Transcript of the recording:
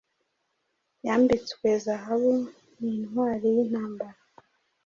Yambitswe zahabu ni ntwari yintambara